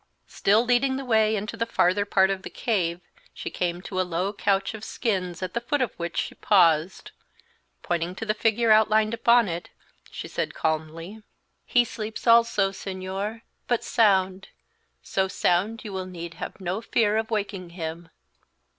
Still leading the way into the farther part of the cave, she came to a low couch of skins at the foot of which she paused. Pointing to the figure outlined upon it, she said, calmly, "He sleeps also, Señor, but sound; so sound you will need have no fear of waking him!"